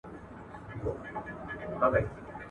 حوري او ښایسته غلمان ګوره چي لا څه کیږي.